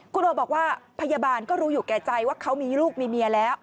คุณโอบอกว่าพยาบาลก็รู้อยู่แก่ใจว่าเขามีลูกมีเมียแล้ว